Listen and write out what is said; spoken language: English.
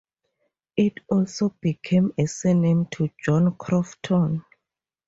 It also became a surname to John Crofton.